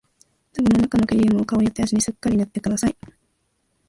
壺のなかのクリームを顔や手足にすっかり塗ってください